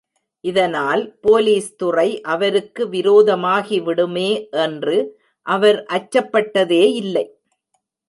இதனால், போலீஸ்துறை அவருக்கு விரோதமாகி விடுமே என்று அவர் அச்சப்பட்டதே இல்லை.